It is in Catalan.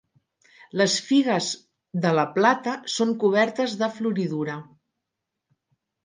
Les figues de la plata són cobertes de floridura.